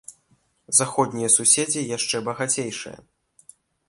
Заходнія суседзі яшчэ багацейшыя.